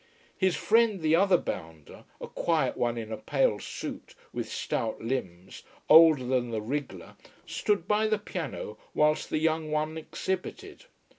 His friend the other bounder, a quiet one in a pale suit, with stout limbs, older than the wriggler, stood by the piano whilst the young one exhibited.